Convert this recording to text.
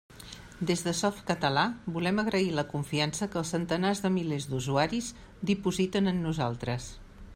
Des de Softcatalà, volem agrair la confiança que els centenars de milers d'usuaris dipositen en nosaltres.